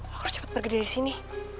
aku harus cepat pergi dari sini